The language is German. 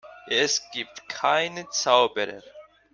Es gibt keine Zauberer.